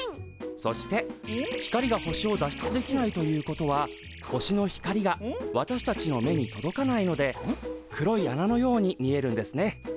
そして光が星を脱出できないということは星の光が私たちの目に届かないので黒い穴のように見えるんですね。